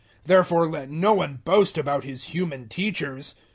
003:021 Therefore let no one boast about his human teachers.